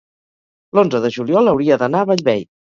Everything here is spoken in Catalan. l'onze de juliol hauria d'anar a Bellvei.